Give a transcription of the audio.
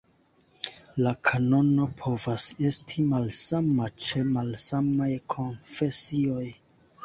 La kanono povas esti malsama ĉe malsamaj konfesioj.